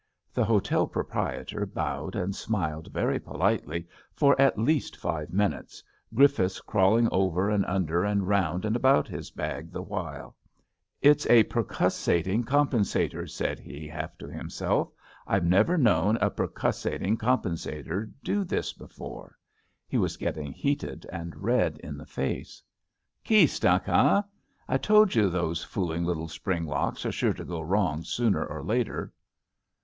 The hotel proprietor bowed and smiled very politely for at least five minutes, Griffiths crawling over and under and round and about his bag the while. It's a percussating compensator," said he, half to himself. I've never known a per cussating compensator do this before." He was getting heated and red in the face. Key stuck, eh? I told you those fooling little spring locks are sure to go wrong sooner or later."